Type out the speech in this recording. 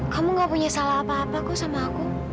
kamu gak punya salah apa apa kok sama aku